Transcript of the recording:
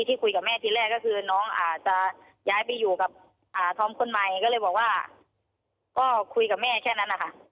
ที่คุยกับแม่ทีแรกก็คือน้องอาจจะย้ายไปอยู่กับธอมคนใหม่ก็เลยบอกว่าก็คุยกับแม่แค่นั้นนะคะ